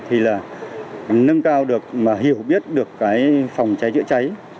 thì là nâng cao được mà hiểu biết được cái phòng cháy chữa cháy